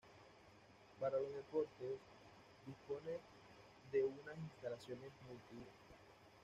Para los deportes, dispone de unas instalaciones multiusos.